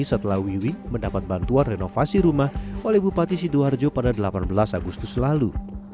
setelah wiwi mendapat bantuan renovasi rumah oleh bupati sidoarjo pada delapan belas agustus lalu